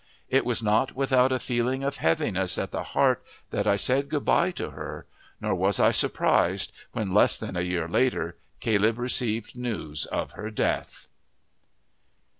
It was not without a feeling of heaviness at the heart that I said good bye to her; nor was I surprised when, less than a year later, Caleb received news of her death.